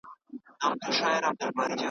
خود ازاري په ماښامونو کوم